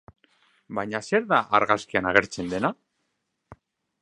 Baina, zer da argazkian agertzen dena?